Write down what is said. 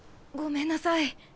ごめんなさい。